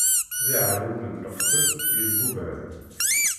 D iɛerrumen n leqṭen yelbubɣen.